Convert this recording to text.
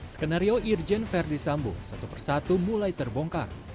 skenario irjen verdi sambo satu persatu mulai terbongkar